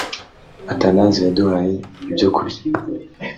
athanase yaduhaye ibyokurya